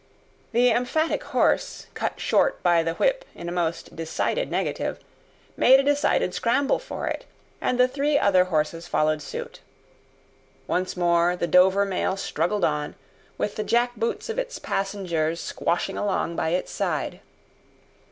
The emphatic horse, cut short by the whip in a most decided negative, made a decided scramble for it, and the three other horses followed suit. Once more, the Dover mail struggled on, with the jack boots of its passengers squashing along by its side.